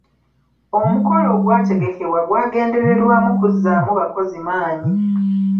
Omukolo ogwategekebwa gwagendererwamu kuzzaamu bakozi maanyi.